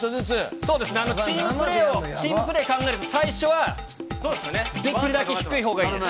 そうですね、チームプレーを、チームプレーを考えると、最初はできるだけ低いほうがいいです。